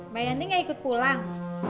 mbak yani gak ikut pulang